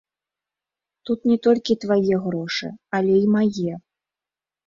Тут не толькі твае грошы, але й мае.